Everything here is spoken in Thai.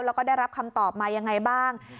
แล้วก็ได้รับคำตอบมายังไงบ้าง